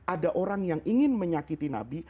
ada orang yang ingin menyakiti nabi